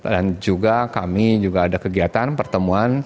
dan juga kami juga ada kegiatan pertemuan